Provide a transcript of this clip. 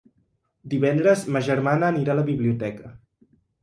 Divendres ma germana anirà a la biblioteca.